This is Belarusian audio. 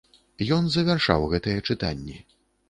Ён завяршаў гэтыя чытанні.